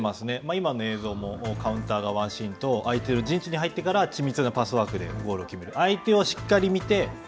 今の映像もカウンターがワンシーンと相手の陣地に入ってから緻密なパスワークでゴールを決める。